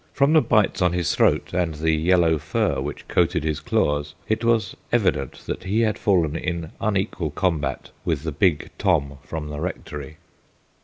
From the bites on his throat and the yellow fur which coated his claws it was evident that he had fallen in unequal combat with the big Tom from the Rectory.